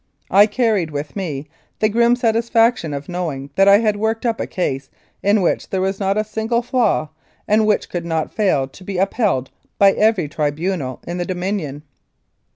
I carried with me the grim satisfaction of knowing that I had worked up a case in which there was not a single flaw, and which could not fail to be upheld by every tribunal in the Dominion.